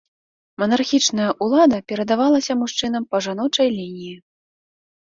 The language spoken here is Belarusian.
Манархічная ўлада перадавалася мужчынам па жаночай лініі.